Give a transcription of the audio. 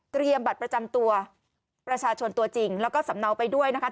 บัตรประจำตัวประชาชนตัวจริงแล้วก็สำเนาไปด้วยนะคะ